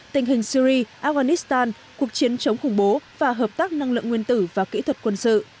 tình hình syri afghanistan cuộc chiến chống khủng bố và hợp tác năng lượng nguyên tử và kỹ thuật quân sự